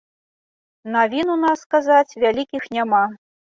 Навін у нас, сказаць, вялікіх няма.